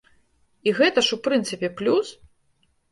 І гэта ж, у прынцыпе, плюс!